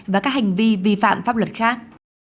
và các hành vi vi phạm pháp luật khác